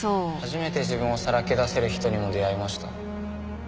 初めて自分をさらけ出せる人にも出会いました。